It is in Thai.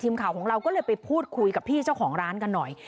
ข่าวของเราก็เลยไปพูดคุยกับพี่เจ้าของร้านกันหน่อย